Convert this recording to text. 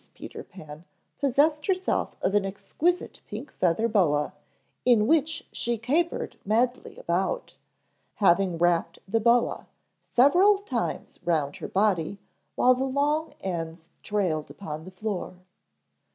Peter Pan possessed herself of an exquisite pink feather boa in which she capered madly about, having wrapped the boa several times around her body while the long ends trailed upon the floor.